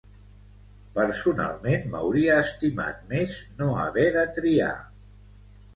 Personalment m’hauria estimat més no haver de triar.